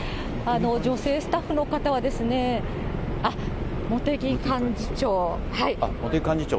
女性スタッフの方は、茂木幹事長。